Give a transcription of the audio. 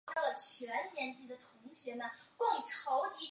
官至浙江盐运使。